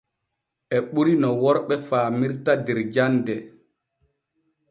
E ɓuri no worɓe faamirta der jande.